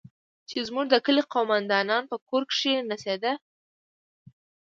چې زموږ د کلي د قومندان په کور کښې نڅېده.